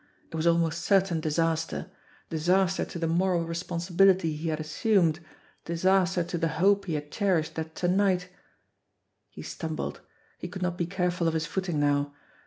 It was almost certain disaster ; disaster to the moral responsi bility he had assumed, disaster to the hope he had cherished that to night He stumbled. He could not be careful of his footing now.